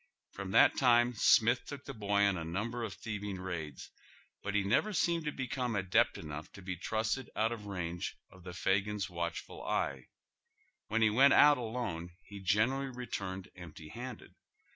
From that time Smith took the boy on a number of thieving raids, but he never seemed to become adept enongh to be trusted out of range of tlie ' Eagin's ' watchful eye. Wiien he went out alone he generally returned empty handed.